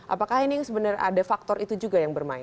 apakah ini sebenarnya ada faktor itu juga yang bermain